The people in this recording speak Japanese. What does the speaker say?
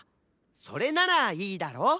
それならいいだろ？